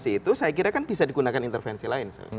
saya kira bisa digunakan intervensi lain